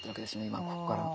今ここから。